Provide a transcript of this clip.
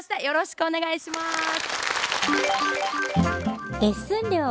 よろしくお願いします。